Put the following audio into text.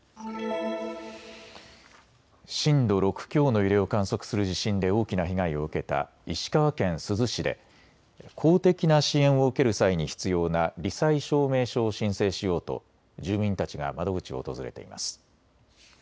震度６強の揺れを観測する地震で大きな被害を受けた石川県珠洲市で公的な支援を受ける際に必要なり災証明書を申請しようと住民たちが窓口を訪れています。